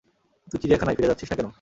তুই চিড়িয়াখানায়, ফিরে যাচ্ছিস না কেন?